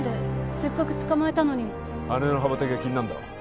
せっかく捕まえたのに羽の羽ばたきが気になるんだろ？